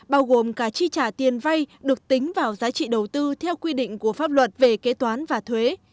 bao gồm cả chi trả tiền vay được tính vào giá trị đầu tư theo quy định của pháp luật về kế toán và thuế